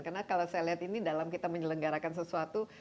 karena kalau saya lihat ini dalam kita menyelenggarakan sesuatu